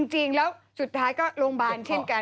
จริงแล้วสุดท้ายก็โรงพยาบาลเช่นกัน